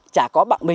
chả có bạn mình